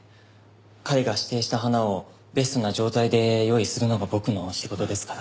彼が指定した花をベストな状態で用意するのが僕の仕事ですから。